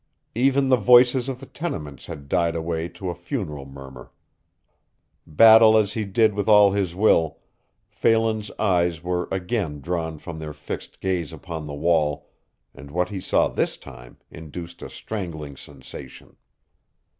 Even the voices of the tenements had died away to a funereal murmur. Battle as he did with all his will, Phelan's eyes were again drawn from their fixed gaze upon the wall, and what he saw this time induced a strangling sensation.